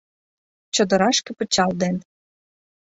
Чодырашке пычал ден